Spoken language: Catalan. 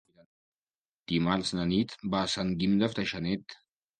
Dimarts na Nit va a Sant Guim de Freixenet.